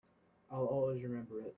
I'll always remember it.